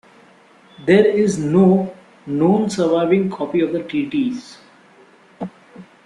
There is no known surviving copy of the treaties.